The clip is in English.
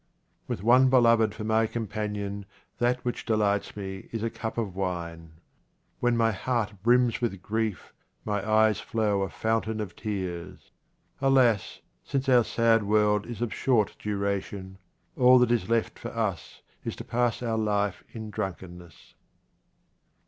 With one beloved for my companion, that which delights me is a cup of wine. When my heart brims with grief, my eyes flow a foun 28 QUATRAINS OF OMAR KHAYYAM tain of tears. Alas ! since our sad world is of short duration, all that is left for us is to pass our life in drunkenness.